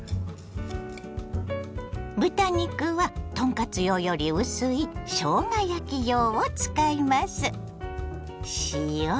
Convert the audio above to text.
豚肉は豚カツ用より薄いしょうが焼き用を使います。